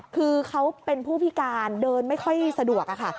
คือเขาเป็นผู้พิการเดินไม่ค่อยสะดวกค่ะ